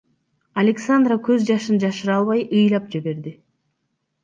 Александра көз жашын жашыра албай ыйлап жиберди.